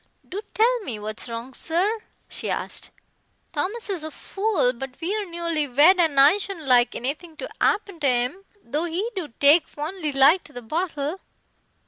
"Do tell me what's wrong, sir?" she asked. "Thomas is a fool, but we're newly wed and I shouldn't like anything to 'appen to 'im, though he do take fondly like to the bottle."